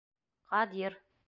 Ҡадир